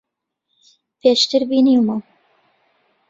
پێشتر بینیومە.